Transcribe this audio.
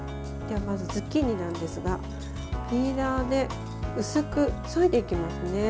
ズッキーニなんですがピーラーで薄くそいでいきますね。